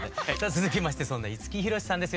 続きましてそんな五木ひろしさんです。